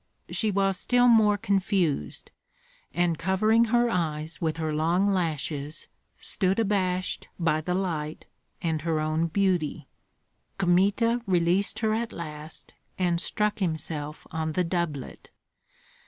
She was still more confused, and covering her eyes with her long lashes, stood abashed by the light and her own beauty. Kmita released her at last, and struck himself on the doublet.